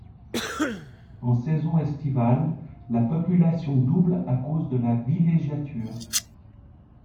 En saison estivale, la population double à cause de la villégiature.